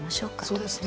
そうですね。